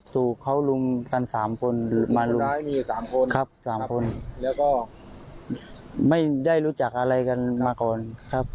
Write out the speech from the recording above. ถูกเขาลุมกัน๓คนหรือมารุม๓คนครับ๓คนแล้วก็ไม่ได้รู้จักอะไรกันมาก่อนครับ